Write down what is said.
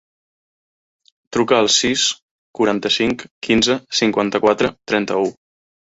Truca al sis, quaranta-cinc, quinze, cinquanta-quatre, trenta-u.